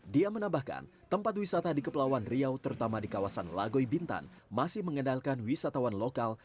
di kawasan lagoibintan tempat wisata di kepelawan riau masih mengendalikan wisatawan lokal